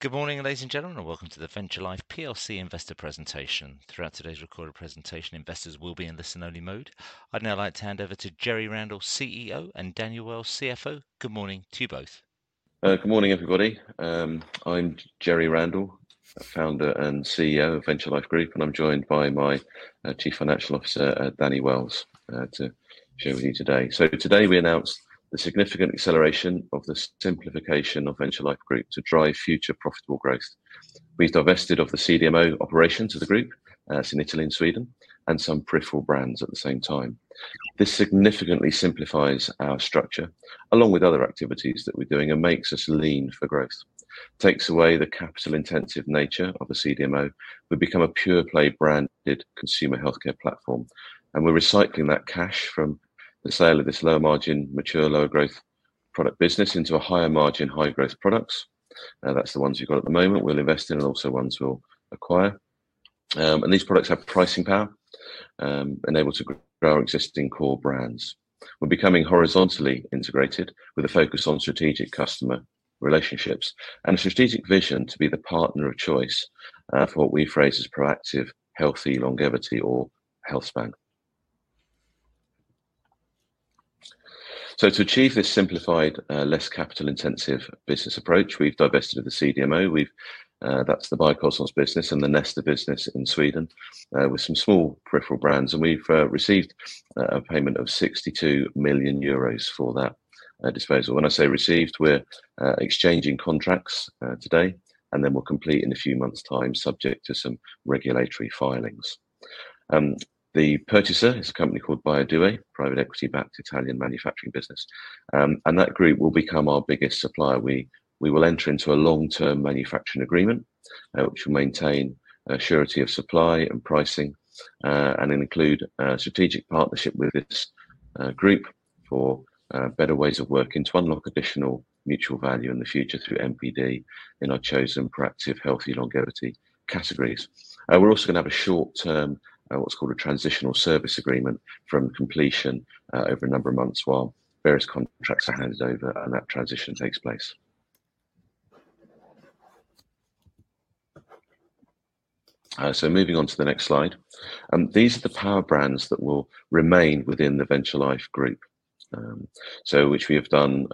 Good morning, ladies and gentlemen, and Welcome to the Venture Life PLC Investor Presentation. Throughout today's recorded presentation, investors will be in listen-only mode. I'd now like to hand over to Jerry Randall, CEO, and Daniel Wells, CFO. Good morning to you both. Good morning, everybody. I'm Jerry Randall, founder and CEO of Venture Life Group, and I'm joined by my Chief Financial Officer, Daniel Wells, to share with you today. Today we announce the significant acceleration of the simplification of Venture Life Group to drive future profitable growth. We've divested of the CDMO operations of the group. It's in Italy and Sweden, and some peripheral brands at the same time. This significantly simplifies our structure, along with other activities that we're doing, and makes us lean for growth. It takes away the capital-intensive nature of the CDMO. We've become a pure-play branded consumer healthcare platform, and we're recycling that cash from the sale of this low-margin, mature, lower-growth product business into a higher-margin, high-growth product. That's the ones you've got at the moment. We'll invest in and also ones we'll acquire. These products have pricing power, enabled to grow our existing core brands. We are becoming horizontally integrated with a focus on strategic customer relationships and a strategic vision to be the partner of choice for what we phrase as proactive, healthy longevity, or health span. To achieve this simplified, less capital-intensive business approach, we have divested of the CDMO. That is the Biokosmes business and the Nesta business in Sweden, with some small peripheral brands. We have received a payment of 62 million euros for that disposal. When I say received, we are exchanging contracts today, and then we will complete in a few months' time, subject to some regulatory filings. The purchaser is a company called BioDue, a private equity-backed Italian manufacturing business. That group will become our biggest supplier. We will enter into a long-term manufacturing agreement, which will maintain surety of supply and pricing and include a strategic partnership with this group for better ways of working to unlock additional mutual value in the future through NPD in our chosen proactive, healthy longevity categories. We're also going to have a short-term, what's called a transitional service agreement from completion over a number of months while various contracts are handed over, and that transition takes place. Moving on to the next slide. These are the power brands that will remain within the Venture Life Group, which we have done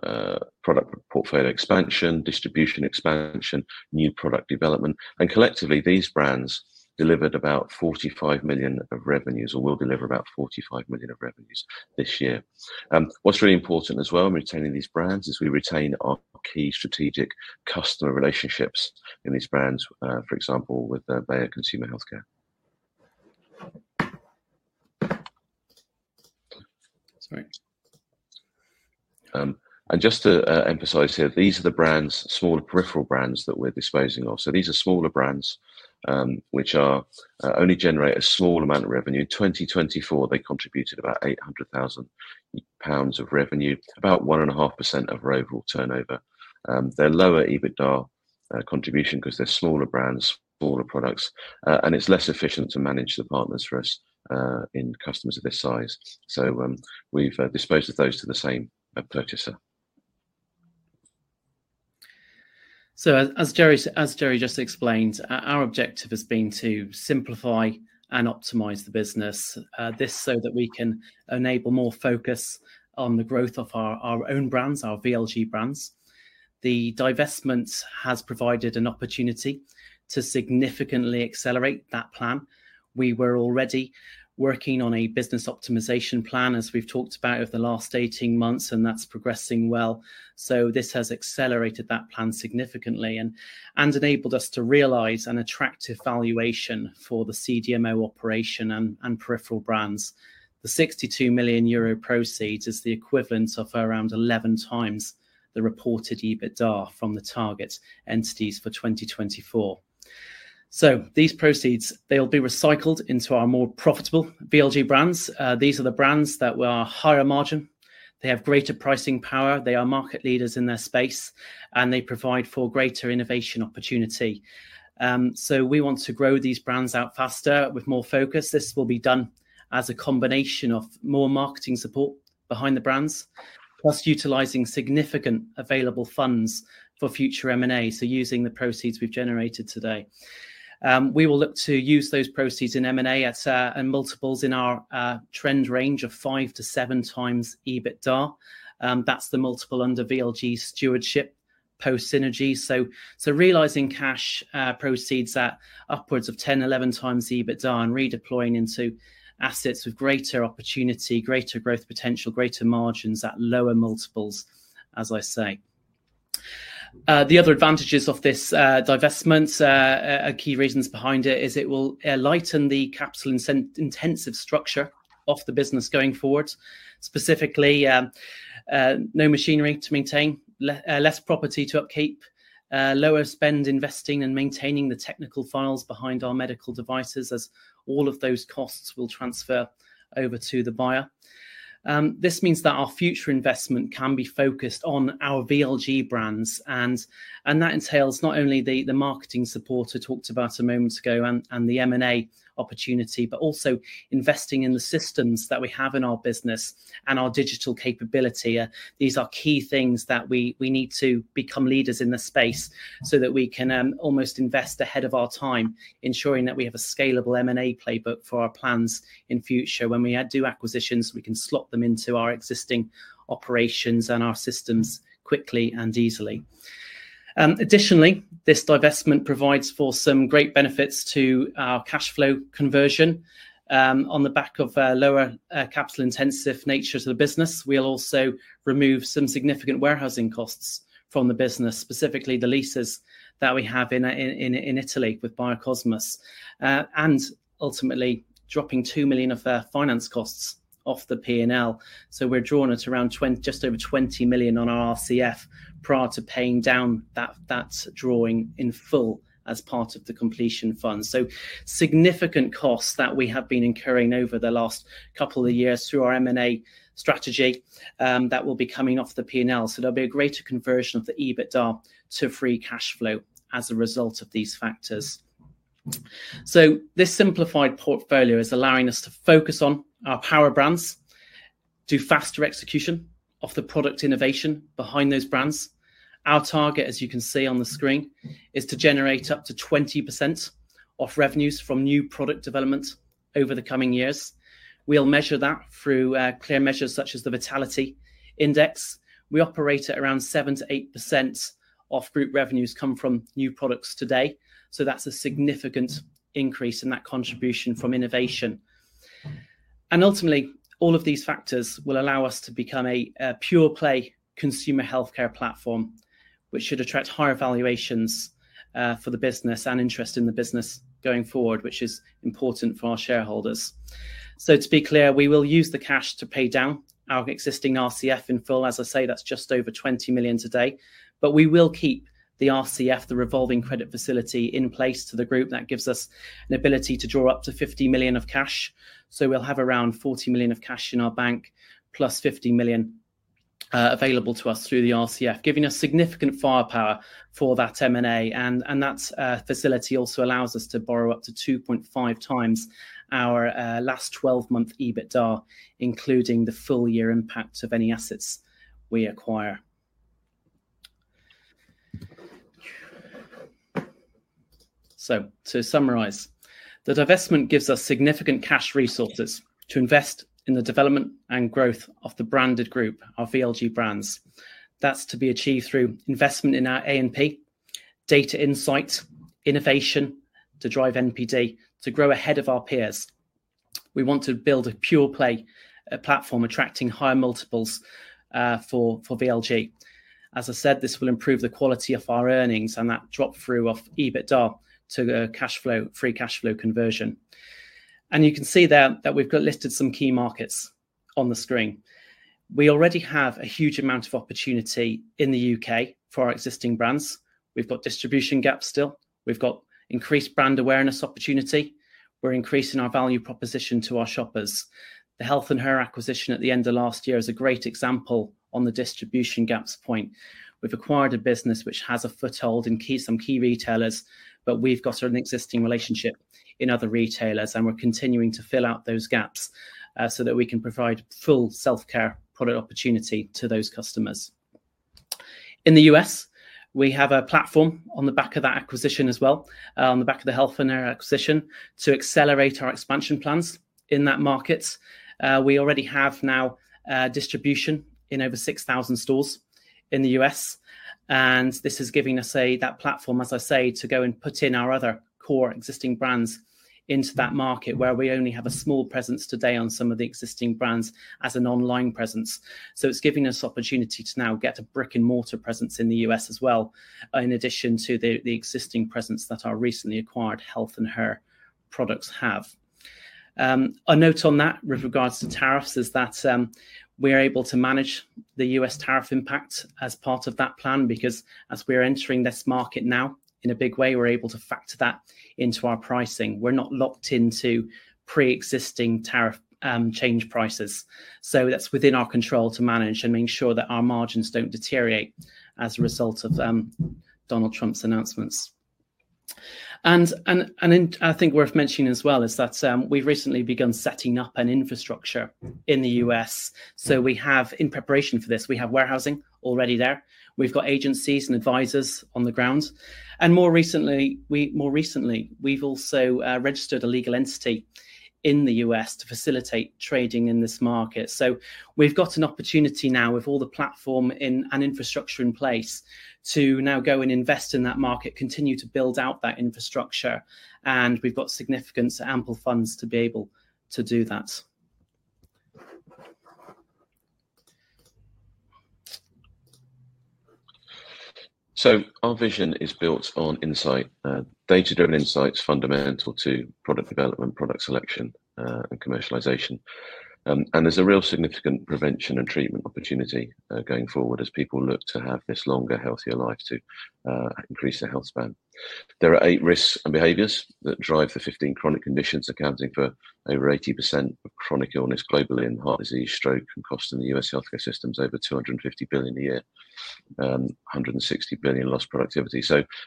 product portfolio expansion, distribution expansion, new product development. Collectively, these brands delivered about 45 million of revenues, or will deliver about 45 million of revenues this year. What's really important as well in retaining these brands is we retain our key strategic customer relationships in these brands, for example, with Bayer Consumer Healthcare. Just to emphasize here, these are the brands, smaller peripheral brands that we're disposing of. These are smaller brands, which only generate a small amount of revenue. In 2024, they contributed about 800,000 pounds of revenue, about 1.5% of our overall turnover. They're lower EBITDA contribution because they're smaller brands, smaller products, and it's less efficient to manage the partners for us in customers of this size. We've disposed of those to the same purchaser. As Jerry just explained, our objective has been to simplify and optimize the business, this so that we can enable more focus on the growth of our own brands, our VLG brands. The divestment has provided an opportunity to significantly accelerate that plan. We were already working on a business optimization plan, as we've talked about, over the last 18 months, and that's progressing well. This has accelerated that plan significantly and enabled us to realize an attractive valuation for the CDMO operation and peripheral brands. The 62 million euro proceeds is the equivalent of around 11 times the reported EBITDA from the target entities for 2024. These proceeds, they'll be recycled into our more profitable VLG brands. These are the brands that are higher margin. They have greater pricing power. They are market leaders in their space, and they provide for greater innovation opportunity. We want to grow these brands out faster with more focus. This will be done as a combination of more marketing support behind the brands, plus utilizing significant available funds for future M&A, so using the proceeds we've generated today. We will look to use those proceeds in M&A at multiples in our trend range of 5-7 times EBITDA. That's the multiple under VLG stewardship post-synergy. Realizing cash proceeds at upwards of 10-11 times EBITDA and redeploying into assets with greater opportunity, greater growth potential, greater margins at lower multiples, as I say. The other advantages of this divestment, key reasons behind it, is it will lighten the capital-intensive structure of the business going forward. Specifically, no machinery to maintain, less property to upkeep, lower spend investing and maintaining the technical files behind our medical devices, as all of those costs will transfer over to the buyer. This means that our future investment can be focused on our VLG brands, and that entails not only the marketing support I talked about a moment ago and the M&A opportunity, but also investing in the systems that we have in our business and our digital capability. These are key things that we need to become leaders in the space so that we can almost invest ahead of our time, ensuring that we have a scalable M&A playbook for our plans in future. When we do acquisitions, we can slot them into our existing operations and our systems quickly and easily. Additionally, this divestment provides for some great benefits to our cash flow conversion. On the back of a lower capital-intensive nature to the business, we'll also remove some significant warehousing costs from the business, specifically the leases that we have in Italy with Biokosmes, and ultimately dropping 2 million of finance costs off the P&L. We're drawn at around just over 20 million on our RCF prior to paying down that drawing in full as part of the completion fund. Significant costs that we have been incurring over the last couple of years through our M&A strategy will be coming off the P&L. There will be a greater conversion of the EBITDA to free cash flow as a result of these factors. This simplified portfolio is allowing us to focus on our power brands, do faster execution of the product innovation behind those brands. Our target, as you can see on the screen, is to generate up to 20% of revenues from new product development over the coming years. We'll measure that through clear measures such as the Vitality Index. We operate at around 7-8% of group revenues come from new products today. That is a significant increase in that contribution from innovation. Ultimately, all of these factors will allow us to become a pure-play consumer healthcare platform, which should attract higher valuations for the business and interest in the business going forward, which is important for our shareholders. To be clear, we will use the cash to pay down our existing RCF in full. As I say, that is just over 20 million today. We will keep the RCF, the revolving credit facility, in place to the group. That gives us an ability to draw up to 50 million of cash. We'll have around 40 million of cash in our bank, plus 50 million available to us through the RCF, giving us significant firepower for that M&A. That facility also allows us to borrow up to 2.5 times our last 12-month EBITDA, including the full year impact of any assets we acquire. To summarize, the divestment gives us significant cash resources to invest in the development and growth of the branded group, our VLG brands. That's to be achieved through investment in our A&P, data insights, innovation to drive NPD, to grow ahead of our peers. We want to build a pure-play platform attracting higher multiples for VLG. As I said, this will improve the quality of our earnings and that drop-through of EBITDA to free cash flow conversion. You can see there that we've got listed some key markets on the screen. We already have a huge amount of opportunity in the U.K. for our existing brands. We've got distribution gaps still. We've got increased brand awareness opportunity. We're increasing our value proposition to our shoppers. The Health & Her acquisition at the end of last year is a great example on the distribution gaps point. We've acquired a business which has a foothold in some key retailers, but we've got an existing relationship in other retailers, and we're continuing to fill out those gaps so that we can provide full self-care product opportunity to those customers. In the U.S., we have a platform on the back of that acquisition as well, on the back of the Health & Her acquisition, to accelerate our expansion plans in that market. We already have now distribution in over 6,000 stores in the U.S., and this is giving us that platform, as I say, to go and put in our other core existing brands into that market, where we only have a small presence today on some of the existing brands as an online presence. It is giving us opportunity to now get a brick-and-mortar presence in the U.S. as well, in addition to the existing presence that our recently acquired Health & Her products have. A note on that with regards to tariffs is that we're able to manage the U.S. tariff impact as part of that plan because as we're entering this market now in a big way, we're able to factor that into our pricing. We're not locked into pre-existing tariff change prices. That's within our control to manage and make sure that our margins don't deteriorate as a result of Donald Trump's announcements. I think worth mentioning as well is that we've recently begun setting up an infrastructure in the U.S. In preparation for this, we have warehousing already there. We've got agencies and advisors on the ground. More recently, we've also registered a legal entity in the U.S. to facilitate trading in this market. We've got an opportunity now with all the platform and infrastructure in place to now go and invest in that market, continue to build out that infrastructure. We've got significant ample funds to be able to do that. Our vision is built on insight. Data-driven insight is fundamental to product development, product selection, and commercialization. There is a real significant prevention and treatment opportunity going forward as people look to have this longer, healthier life to increase their health span. There are eight risks and behaviors that drive the 15 chronic conditions, accounting for over 80% of chronic illness globally in heart disease, stroke, and cost in the U.S. healthcare systems, over 250 billion a year, 160 billion lost productivity.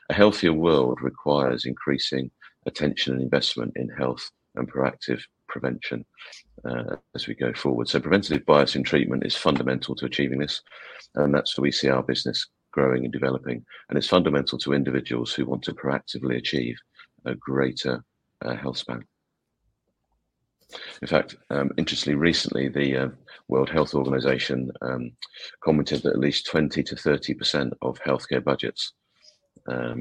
A healthier world requires increasing attention and investment in health and proactive prevention as we go forward. Preventative bias in treatment is fundamental to achieving this. That is where we see our business growing and developing. It is fundamental to individuals who want to proactively achieve a greater health span. In fact, interestingly, recently, the World Health Organization commented that at least 20%-30% of healthcare budgets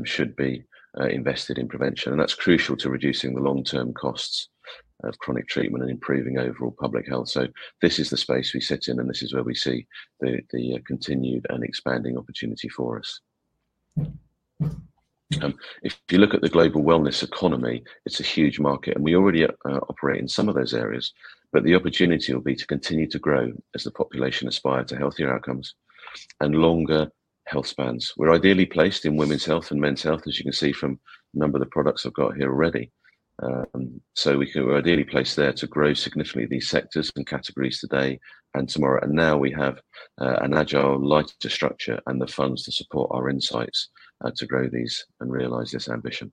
should be invested in prevention. That is crucial to reducing the long-term costs of chronic treatment and improving overall public health. This is the space we sit in, and this is where we see the continued and expanding opportunity for us. If you look at the global wellness economy, it is a huge market, and we already operate in some of those areas. The opportunity will be to continue to grow as the population aspires to healthier outcomes and longer health spans. We are ideally placed in women's health and men's health, as you can see from a number of the products I have got here already. We are ideally placed there to grow significantly these sectors and categories today and tomorrow. We now have an agile, lighter structure and the funds to support our insights to grow these and realize this ambition.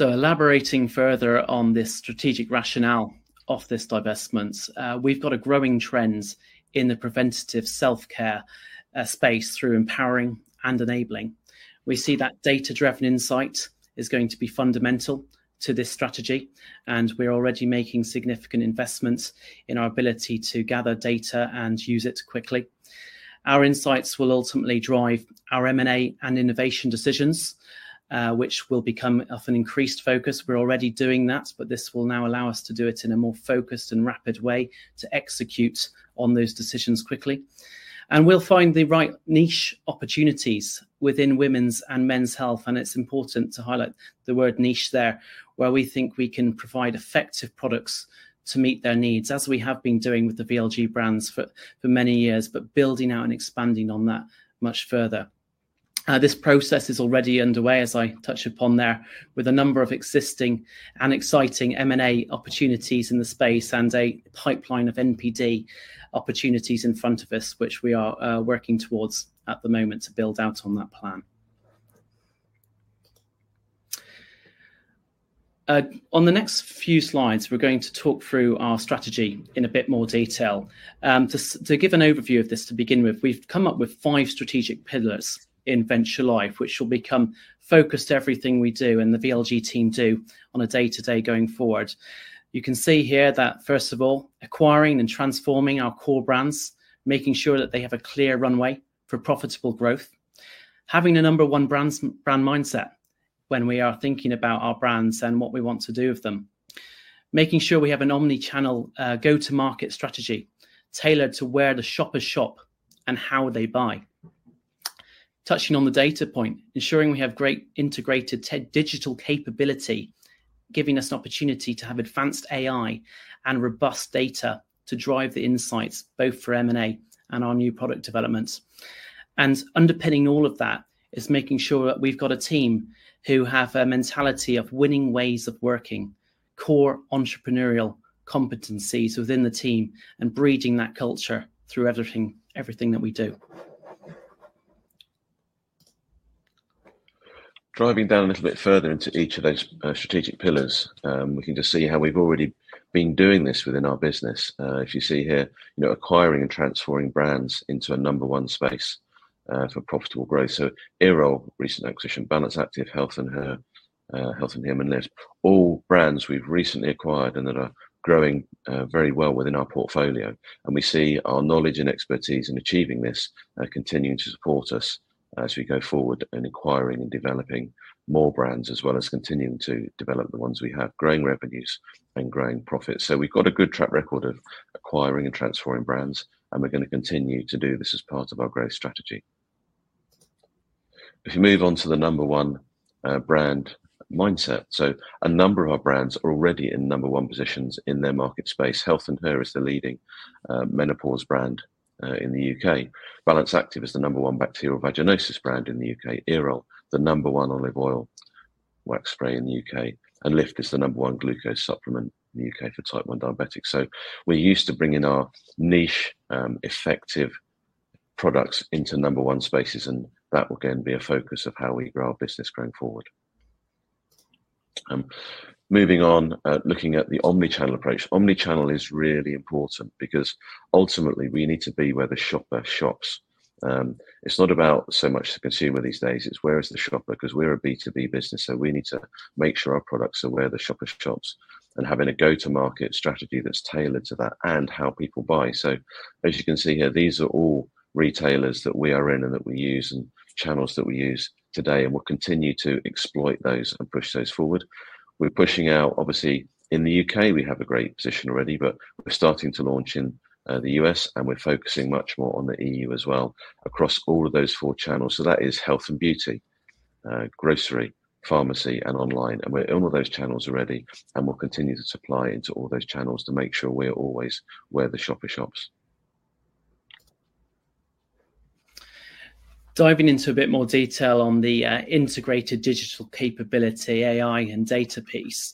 Elaborating further on this strategic rationale of this divestment, we've got a growing trend in the preventative self-care space through empowering and enabling. We see that data-driven insight is going to be fundamental to this strategy, and we're already making significant investments in our ability to gather data and use it quickly. Our insights will ultimately drive our M&A and innovation decisions, which will become of an increased focus. We're already doing that, but this will now allow us to do it in a more focused and rapid way to execute on those decisions quickly. We'll find the right niche opportunities within women's and men's health. It's important to highlight the word niche there, where we think we can provide effective products to meet their needs, as we have been doing with the VLG brands for many years, but building out and expanding on that much further. This process is already underway, as I touched upon there, with a number of existing and exciting M&A opportunities in the space and a pipeline of NPD opportunities in front of us, which we are working towards at the moment to build out on that plan. On the next few slides, we're going to talk through our strategy in a bit more detail. To give an overview of this, to begin with, we've come up with five strategic pillars in Venture Life, which will become focused to everything we do and the VLG team do on a day-to-day going forward. You can see here that, first of all, acquiring and transforming our core brands, making sure that they have a clear runway for profitable growth, having a number-one brand mindset when we are thinking about our brands and what we want to do with them, making sure we have an omnichannel go-to-market strategy tailored to where the shoppers shop and how they buy. Touching on the data point, ensuring we have great integrated digital capability, giving us an opportunity to have advanced AI and robust data to drive the insights, both for M&A and our new product developments. Underpinning all of that is making sure that we've got a team who have a mentality of winning ways of working, core entrepreneurial competencies within the team, and breeding that culture through everything that we do. Driving down a little bit further into each of those strategic pillars, we can just see how we've already been doing this within our business. If you see here, acquiring and transforming brands into a number-one space for profitable growth. Aerol, recent acquisition, Balance Activ, Health & Her, Health & Him, and Liv, all brands we've recently acquired and that are growing very well within our portfolio. We see our knowledge and expertise in achieving this continuing to support us as we go forward in acquiring and developing more brands, as well as continuing to develop the ones we have, growing revenues and growing profits. We've got a good track record of acquiring and transforming brands, and we're going to continue to do this as part of our growth strategy. If you move on to the number-one brand mindset, a number of our brands are already in number-one positions in their market space. Health & Her is the leading menopause brand in the U.K. Balance Active is the number-one bacterial vaginosis brand in the U.K. Aerol, the number-one olive oil wax spray in the U.K. Liv is the number-one glucose supplement in the U.K. for type 1 diabetics. We are used to bringing our niche, effective products into number-one spaces, and that will again be a focus of how we grow our business going forward. Moving on, looking at the omnichannel approach. Omnichannel is really important because ultimately, we need to be where the shopper shops. It is not about so much the consumer these days. It is where is the shopper? Because we're a B2B business, we need to make sure our products are where the shopper shops and having a go-to-market strategy that's tailored to that and how people buy. As you can see here, these are all retailers that we are in and that we use and channels that we use today, and we'll continue to exploit those and push those forward. We're pushing out, obviously, in the U.K., we have a great position already, but we're starting to launch in the U.S., and we're focusing much more on the European Union as well across all of those four channels. That is health and beauty, grocery, pharmacy, and online. We're in all those channels already, and we'll continue to supply into all those channels to make sure we're always where the shopper shops. Diving into a bit more detail on the integrated digital capability, AI, and data piece.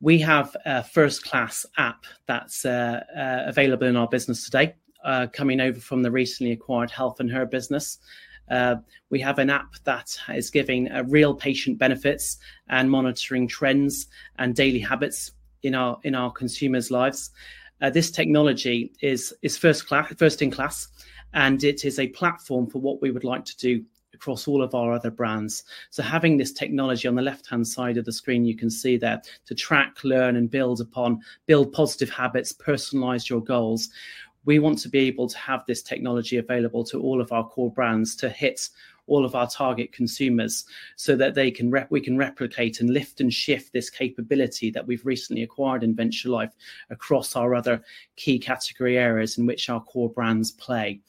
We have a first-class app that's available in our business today, coming over from the recently acquired Health & Her business. We have an app that is giving real patient benefits and monitoring trends and daily habits in our consumers' lives. This technology is first-in-class, and it is a platform for what we would like to do across all of our other brands. Having this technology on the left-hand side of the screen, you can see there, to track, learn, and build upon, build positive habits, personalize your goals. We want to be able to have this technology available to all of our core brands to hit all of our target consumers so that we can replicate and lift and shift this capability that we've recently acquired in Venture Life across our other key category areas in which our core brands play.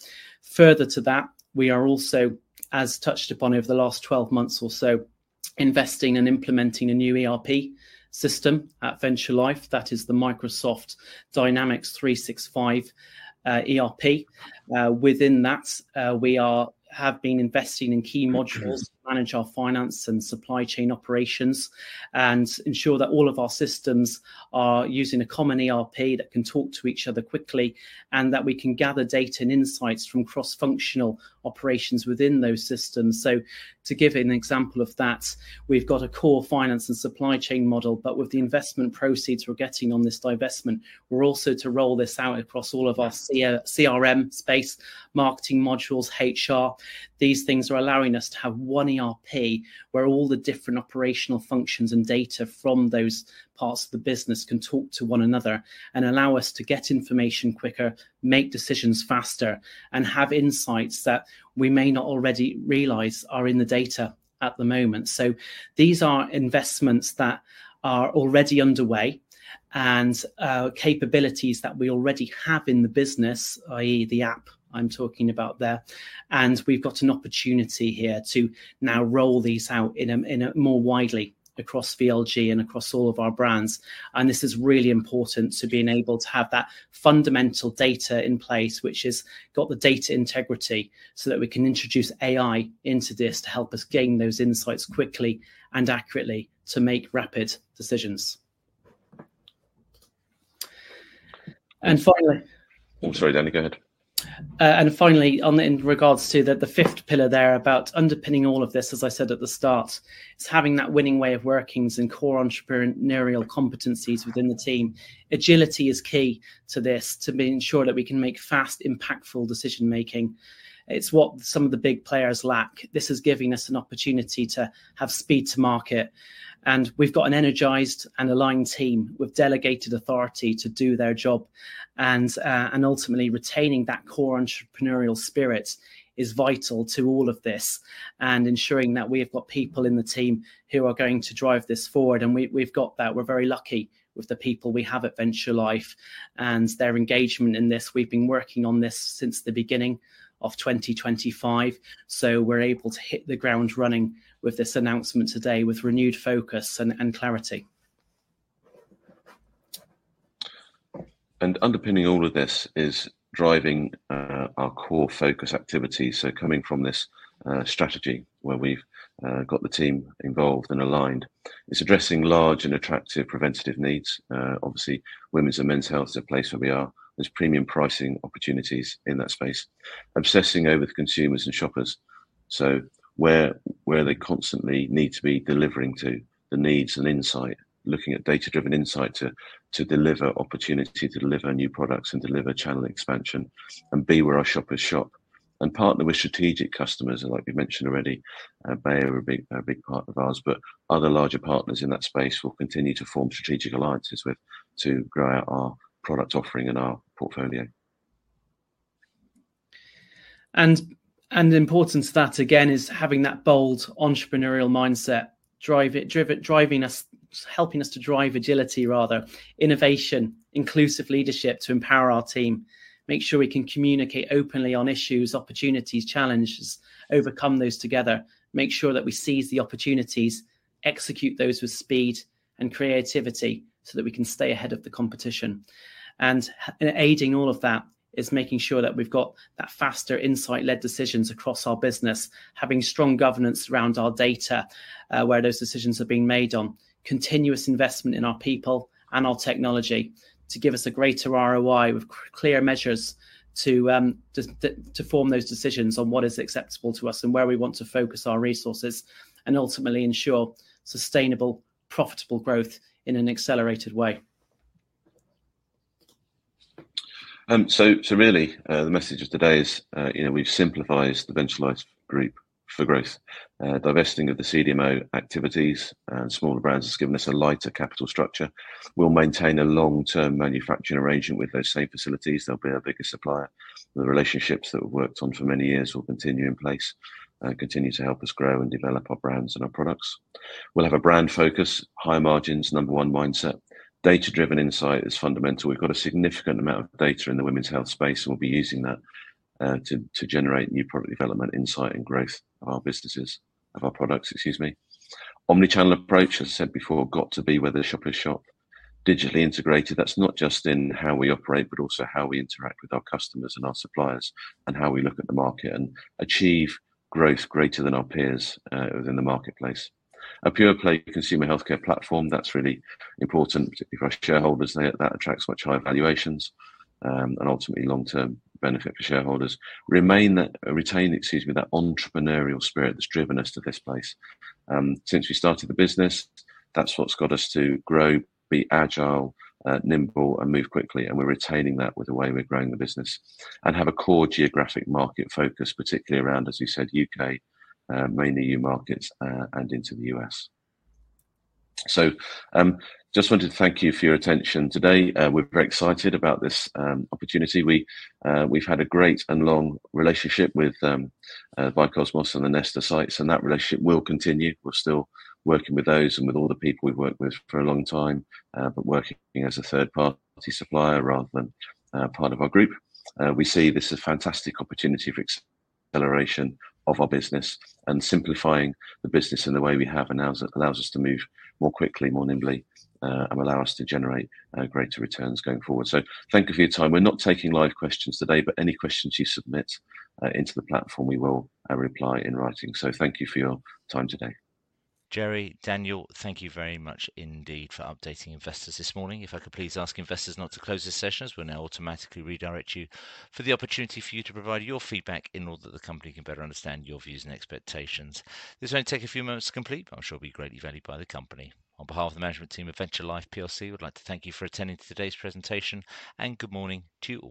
Further to that, we are also, as touched upon over the last 12 months or so, investing and implementing a new ERP system at Venture Life. That is the Microsoft Dynamics 365 ERP. Within that, we have been investing in key modules to manage our finance and supply chain operations and ensure that all of our systems are using a common ERP that can talk to each other quickly and that we can gather data and insights from cross-functional operations within those systems. To give an example of that, we've got a core finance and supply chain model, but with the investment proceeds we're getting on this divestment, we're also able to roll this out across all of our CRM space, marketing modules, HR. These things are allowing us to have one ERP where all the different operational functions and data from those parts of the business can talk to one another and allow us to get information quicker, make decisions faster, and have insights that we may not already realize are in the data at the moment. These are investments that are already underway and capabilities that we already have in the business, i.e., the app I'm talking about there. We've got an opportunity here to now roll these out more widely across VLG and across all of our brands. This is really important to being able to have that fundamental data in place, which has got the data integrity so that we can introduce AI into this to help us gain those insights quickly and accurately to make rapid decisions. Finally. Oh, sorry, Danny, go ahead. Finally, in regards to the fifth pillar there about underpinning all of this, as I said at the start, it's having that winning way of working and core entrepreneurial competencies within the team. Agility is key to this to ensure that we can make fast, impactful decision-making. It's what some of the big players lack. This is giving us an opportunity to have speed to market. We've got an energized and aligned team with delegated authority to do their job. Ultimately, retaining that core entrepreneurial spirit is vital to all of this and ensuring that we have got people in the team who are going to drive this forward. We've got that. We're very lucky with the people we have at Venture Life and their engagement in this. We've been working on this since the beginning of 2025. We're able to hit the ground running with this announcement today with renewed focus and clarity. Underpinning all of this is driving our core focus activities. Coming from this strategy where we've got the team involved and aligned, it's addressing large and attractive preventative needs. Obviously, women's and men's health is a place where we are. There are premium pricing opportunities in that space, obsessing over the consumers and shoppers. They constantly need to be delivering to the needs and insight, looking at data-driven insight to deliver opportunity to deliver new products and deliver channel expansion and be where our shoppers shop. Partner with strategic customers, like we mentioned already, Bayer would be a big part of ours, but other larger partners in that space we'll continue to form strategic alliances with to grow our product offering and our portfolio. The importance of that, again, is having that bold entrepreneurial mindset, driving us, helping us to drive agility, rather, innovation, inclusive leadership to empower our team, make sure we can communicate openly on issues, opportunities, challenges, overcome those together, make sure that we seize the opportunities, execute those with speed and creativity so that we can stay ahead of the competition. Aiding all of that is making sure that we've got that faster insight-led decisions across our business, having strong governance around our data, where those decisions are being made on, continuous investment in our people and our technology to give us a greater ROI with clear measures to form those decisions on what is acceptable to us and where we want to focus our resources and ultimately ensure sustainable, profitable growth in an accelerated way. Really, the message of today is we've simplified the Venture Life Group for growth. Divesting of the CDMO activities and smaller brands has given us a lighter capital structure. We'll maintain a long-term manufacturing arrangement with those same facilities. They'll be our biggest supplier. The relationships that we've worked on for many years will continue in place and continue to help us grow and develop our brands and our products. We'll have a brand focus, high margins, number-one mindset. Data-driven insight is fundamental. We've got a significant amount of data in the women's health space, and we'll be using that to generate new product development, insight, and growth of our businesses, of our products, excuse me. Omnichannel approach, as I said before, got to be where the shopper shop, digitally integrated. That's not just in how we operate, but also how we interact with our customers and our suppliers and how we look at the market and achieve growth greater than our peers within the marketplace. A pure-play consumer healthcare platform, that's really important, particularly for our shareholders. That attracts much higher valuations and ultimately long-term benefit for shareholders. Retain, excuse me, that entrepreneurial spirit that's driven us to this place. Since we started the business, that's what's got us to grow, be agile, nimble, and move quickly. We're retaining that with the way we're growing the business and have a core geographic market focus, particularly around, as you said, U.K., mainly EU markets and into the U.S. I just wanted to thank you for your attention today. We're very excited about this opportunity. We've had a great and long relationship with Biokosmes and the Nesta sites, and that relationship will continue. We're still working with those and with all the people we've worked with for a long time, but working as a third-party supplier rather than part of our group. We see this as a fantastic opportunity for acceleration of our business and simplifying the business in the way we have and allows us to move more quickly, more nimbly, and allow us to generate greater returns going forward. Thank you for your time. We're not taking live questions today, but any questions you submit into the platform, we will reply in writing. Thank you for your time today. Jerry, Daniel, thank you very much indeed for updating investors this morning. If I could please ask investors not to close this session, as we will now automatically redirect you for the opportunity for you to provide your feedback in order that the company can better understand your views and expectations. This will not take a few moments to complete, but I am sure it will be greatly valued by the company. On behalf of the management team at Venture Life PLC, we would like to thank you for attending today's presentation, and good morning to you.